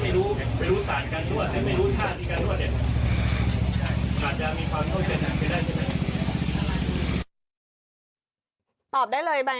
มันจะมีความเข้าใจได้ใช่ไหม